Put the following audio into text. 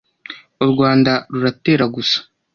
U Rwanda ruratera gusa